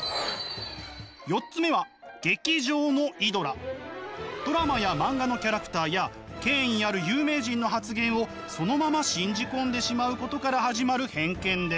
４つ目はドラマや漫画のキャラクターや権威ある有名人の発言をそのまま信じ込んでしまうことから始まる偏見です。